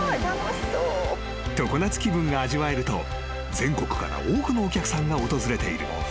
［常夏気分が味わえると全国から多くのお客さんが訪れている］